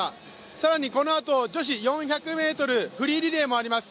更にこのあと女子４００ｍフリーリレーもあります。